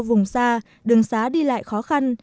vùng xa đường xá đi lại khó khăn